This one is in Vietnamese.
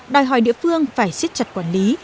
đòi hỏi địa phương phải siết chặt quản lý